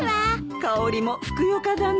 香りもふくよかだね。